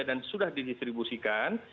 dan sudah didistribusikan